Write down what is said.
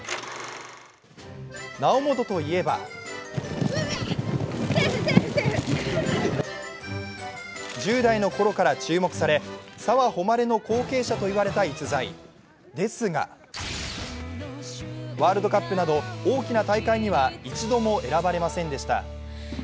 猶本といえば１０代のころから注目され澤穂希の後継者と言われた逸材ですが、ワールドカップなど大きな大会には１度も選ばれませんでした。